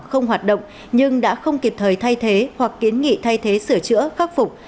không hoạt động nhưng đã không kịp thời thay thế hoặc kiến nghị thay thế sửa chữa khắc phục